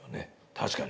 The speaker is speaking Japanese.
確かに。